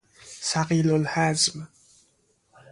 ثقیل الهضم